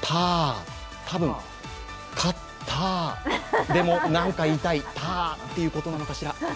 多分「勝ったー」でも、何か言いたい「たーーーー」ということなのかしら。